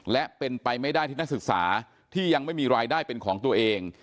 และเป็นไปไม่ได้ที่นักศึกษาที่ยังไม่มีรายได้เป็นของตัวเอง